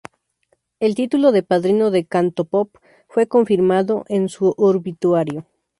El título de "Padrino del Cantopop" fue confirmado en su obituario.